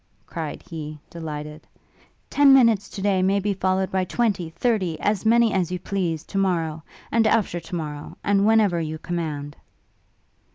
cried he, delighted; 'ten minutes to day may be followed by twenty, thirty, as many as you please, to morrow, and after to morrow, and whenever you command.'